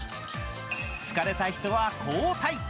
疲れた人は交代。